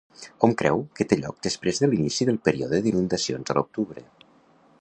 Hom creu que té lloc després de l'inici del període d'inundacions a l'octubre.